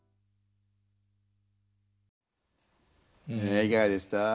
いかがでした？